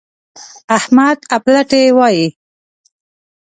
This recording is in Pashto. احمد اپلاتي وايي.